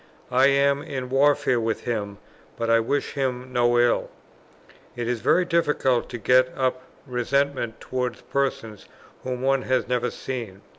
I am in warfare with him, but I wish him no ill; it is very difficult to get up resentment towards persons whom one has never seen.